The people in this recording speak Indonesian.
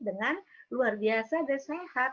dengan luar biasa dan sehat